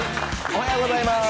おはようございます！